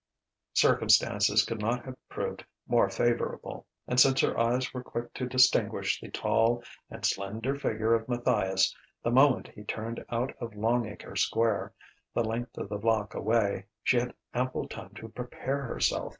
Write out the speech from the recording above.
Circumstances could not have proved more favourable; and since her eyes were quick to distinguish the tall and slender figure of Matthias the moment he turned out of Longacre Square, the length of the block away, she had ample time to prepare herself.